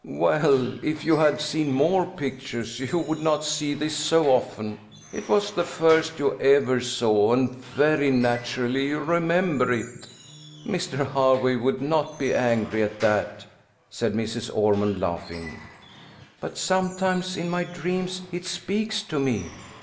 "Well, if you had seen more pictures, you would not see this so often. It was the first you ever saw, and very naturally you remember it, Mr. Hervey would not be angry at that," said Mrs. Ormond, laughing. "But sometimes, in my dreams, it speaks to me."